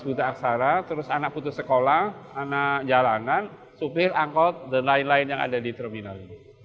buta aksara terus anak putus sekolah anak jalanan supir angkot dan lain lain yang ada di terminal ini